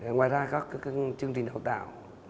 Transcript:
ngoài ra các chương trình đào tạo